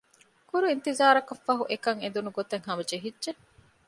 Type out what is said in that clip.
ކުރު އިންތިޒާރަކަށް ފަހު އެކަން އެދުނު ގޮތަށް ހަމަޖެހިއްޖެ